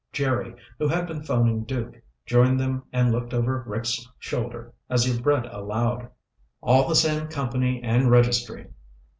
Jerry, who had been phoning Duke, joined them and looked over Rick's shoulder as he read aloud. "All the same company and registry.